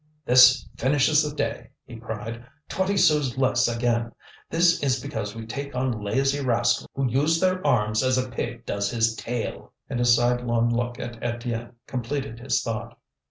"This finishes the day," he cried. "Twenty sous less again! This is because we take on lazy rascals who use their arms as a pig does his tail!" And his sidelong look at Étienne completed his thought.